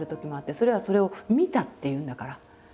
それはそれを見たって言うんだから。